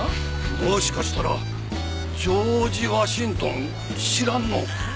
もしかしたらジョージ・ワシントン知らんの？